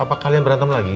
apa kalian berantem lagi